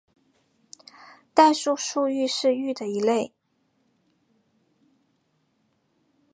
代数数域是域的一类。